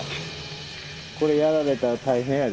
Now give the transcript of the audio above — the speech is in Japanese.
これやられたら大変やで。